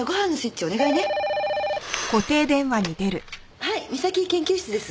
はい岬研究室です。